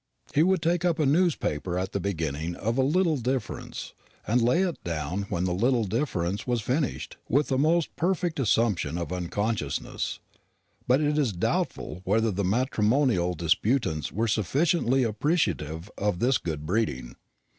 He would take up a newspaper at the beginning of a little difference, and lay it down when the little difference was finished, with the most perfect assumption of unconsciousness; but it is doubtful whether the matrimonial disputants were sufficiently appreciative of this good breeding.